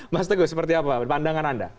mas teguh seperti apa pandangan anda